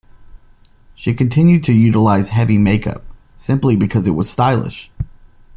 She continued to utilize heavy make-up, simply because it was stylish.